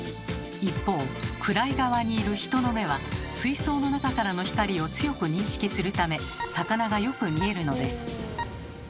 一方暗い側にいる人の目は水槽の中からの光を強く認識するため魚がよく見えるのです。